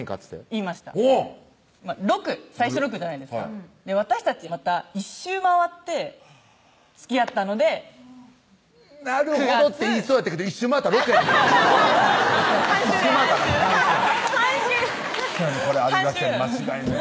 言いました最初６じゃないですかはい私たちまた１周回ってつきあったので「なるほど」と言いそうやったけど１周回ったら６やけどね半周半周そうやねんこれありがちやねん間違えんねん